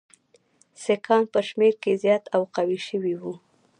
سیکهان په شمېر کې زیات او قوي شوي وو.